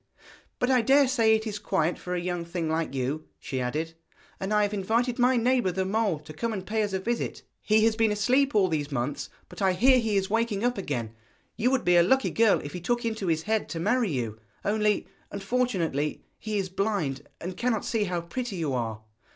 But I dare say it is quiet for a young thing like you,' she added, 'and I have invited my neighbour the mole to come and pay us a visit. He has been asleep all these months, but I hear he is waking up again. You would be a lucky girl if he took into his head to marry you, only, unfortunately, he is blind, and cannot see how pretty you are.'